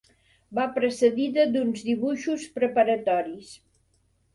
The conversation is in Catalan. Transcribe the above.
Va precedida d'uns dibuixos preparatoris.